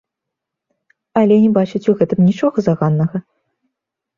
Але не бачыць у гэтым нічога заганнага.